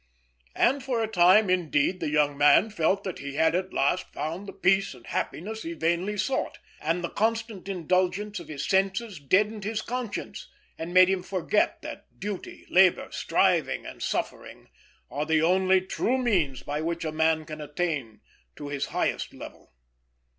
And for a time, indeed, the young man felt that he had at last found the peace and happiness he vainly sought; and the constant indulgence of his senses deadened his conscience, and made him forget that duty, labour, striving, and suffering are the only true means by which a man can attain to his highest level.